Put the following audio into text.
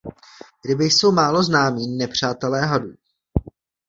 Ryby jsou málo známí nepřátelé hadů.